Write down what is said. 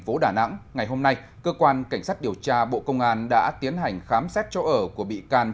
phố đà nẵng ngày hôm nay cơ quan cảnh sát điều tra bộ công an đã tiến hành khám xét chỗ ở của bị can